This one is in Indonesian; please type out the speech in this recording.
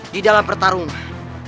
di dalam pertarungan